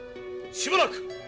・しばらく！